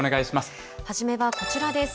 初めはこちらです。